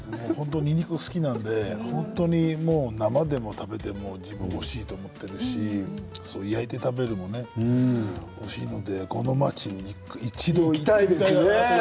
にんにくが好きなので生で食べてもおいしいと思っていますし焼いて食べてもおいしいのでこの町に一度行きたいですね。